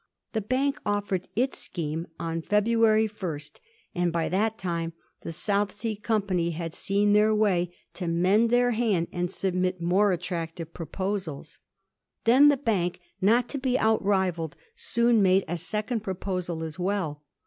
The Bank offered its scheme on February 1, and by that time the South Sea Company had seen their way to mend their hand and submit more attractive proposals. Then the Bank, not to be out rivalled, soon made a second proposal as well.